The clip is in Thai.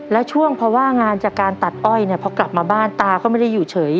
แล้วช่วงเพราะว่างานจากการตัดอ้อยเนี่ยพอกลับมาบ้านตาก็ไม่ได้อยู่เฉย